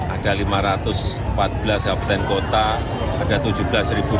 ada lima ratus empat belas kabupaten kota ada tujuh belas